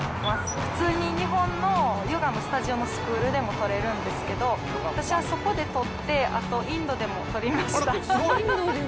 普通に日本のヨガのスタジオのスクールでも取れるんですけど、私はそこで取って、あとインドでも取りました。